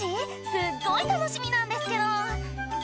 すっごい楽しみなんですけど」